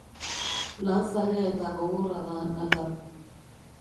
Lan zaila eta gogorra da, Nathan.